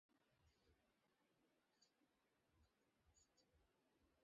এই শব্দটা শোনার জন্য মরে যাচ্ছিলাম।